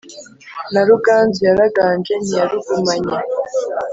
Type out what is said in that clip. Na Ruganzu yaraganje ntiyarugumanye